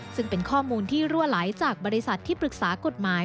ซึ่งเป็นข้อมูลที่รั่วไหลจากบริษัทที่ปรึกษากฎหมาย